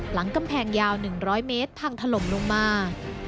หลังกำแพงยาว๑๐๐เมตรพังถล่มลงมา